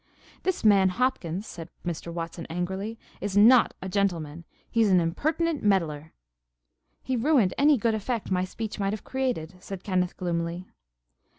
"This man Hopkins," said Mr. Watson, angrily, "is not a gentleman. He's an impertinent meddler." "He ruined any good effect my speech might have created," said Kenneth, gloomily.